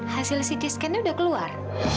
hasil ct scan udah keluar